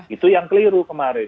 itu yang keliru kemarin